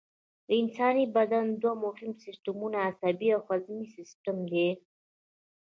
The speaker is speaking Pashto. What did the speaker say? د انساني بدن دوه مهم سیستمونه عصبي او هضمي سیستم دي